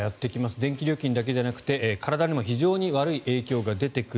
電気料金だけじゃなくて体にも非常に悪い影響が出てくる。